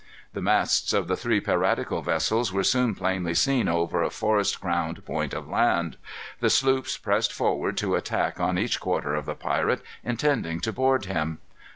The masts of the three piratical vessels were soon plainly seen over a forest crowned point of land. The sloops pressed forward to attack on each quarter of the pirate, intending to board him.